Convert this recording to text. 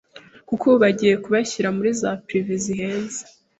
Kuko ubu bagiye kubashyira muri za prive zihenze